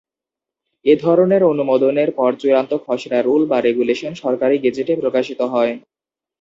এধরনের অনুমোদনের পর চূড়ান্ত খসড়া রুল বা রেগুলেশন সরকারি গেজেটে প্রকাশিত হয়।